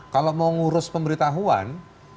kalau mau ngurus pemberitahuan